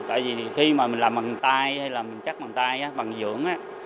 tại vì khi mà mình làm bằng tay hay là mình chắc bằng tay bằng dưỡng á